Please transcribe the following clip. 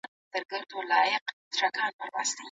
مصرف کچه د خلکو ژوند معیار ټاکي.